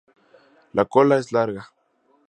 La cola es larga.